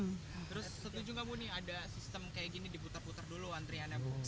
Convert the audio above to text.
terus setuju nggak bu nih ada sistem kayak gini diputar putar dulu antriannya bu